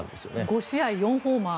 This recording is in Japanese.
５試合４ホーマー。